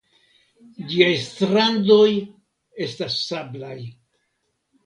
Ĝiaj strandoj estas sablaj.